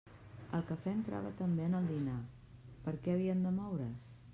El cafè entrava també en el dinar; per què havien de moure's?